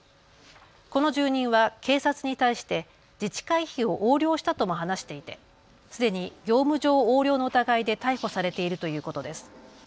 この住人は警察に対して自治会費を横領したとも話していてすでに業務上横領の疑いで逮捕されているということです。